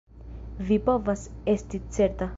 Vi povas esti certa.